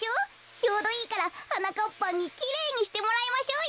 ちょうどいいからはなかっぱんにきれいにしてもらいましょうよ。